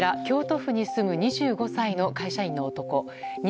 京都府に住む２５歳の会社員の男。